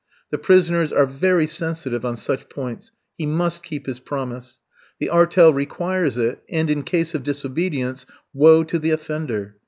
The prisoners are very sensitive on such points: he must keep his promise. The "artel" requires it, and, in case of disobedience, woe to the offender!